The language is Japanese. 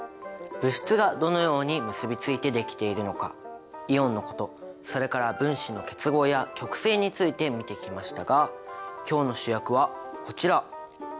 物質がどのように結びついてできているのかイオンのことそれから分子の結合や極性について見てきましたが今日の主役はこちら！